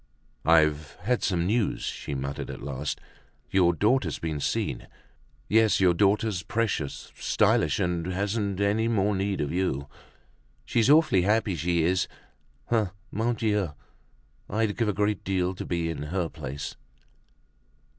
"I've had some news," she muttered at last. "Your daughter's been seen. Yes, your daughter's precious stylish and hasn't any more need of you. She's awfully happy, she is! Ah! Mon Dieu! I'd give a great deal to be in her place."